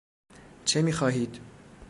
چه میخواهید؟